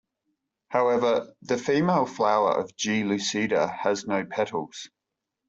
However, the female flower of "G.lucida" has no petals.